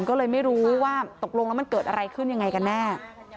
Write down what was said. ก็เลยไม่รู้ว่าตกลงแล้วมันเกิดอะไรขึ้นยังไงกันแน่